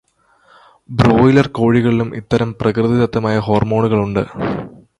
Broiler കോഴികളിലും ഇത്തരം പ്രകൃതിദത്തമായ ഹോർമോണുകള് ഉണ്ട്.